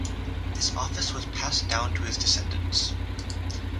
This office was passed down to his descendants.